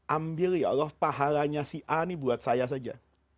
ambil ya allah pahalanya si a ini buat saya saja